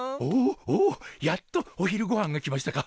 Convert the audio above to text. おおやっとお昼ごはんが来ましたか。